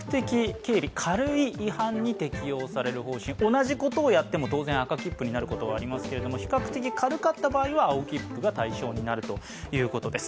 同じことをやっても当然赤切符になることはありますけれども比較的軽かった場合は青切符が対象になるということです。